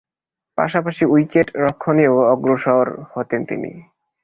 পাশাপাশি উইকেট-রক্ষণেও অগ্রসর হতেন তিনি।